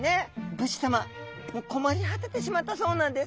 武士さま困り果ててしまったそうなんです。